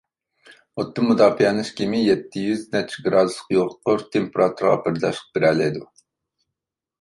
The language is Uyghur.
ئوتتىن مۇداپىئەلىنىش كىيىمى يەتتە يۈز نەچچە گرادۇسلۇق يۇقىرى تېمپېراتۇرىغا بەرداشلىق بېرەلەيدۇ.